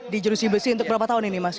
di jerusi besi untuk berapa tahun ini mas